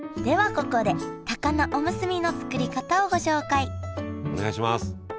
ここで高菜おむすびの作り方をご紹介お願いします。